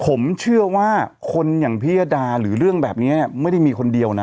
ผมเชื่อว่าคนอย่างพิยดาหรือเรื่องแบบนี้ไม่ได้มีคนเดียวนะ